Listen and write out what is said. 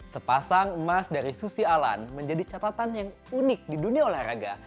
sepasang emas dari susi alan menjadi catatan yang unik di dunia olahraga